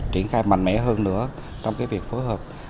triển khai mạnh mẽ hơn nữa trong việc phối hợp